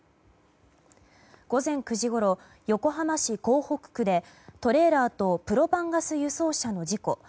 午前９時ごろ、横浜市港北区でトレーラーとプロパンガス輸送車の事故。